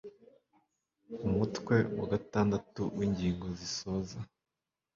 umutwe wa gatandatu w ingingo zisoza